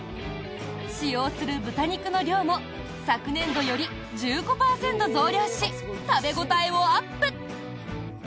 使用する豚肉の量も昨年度より１５％増量し食べ応えをアップ。